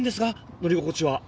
乗り心地は。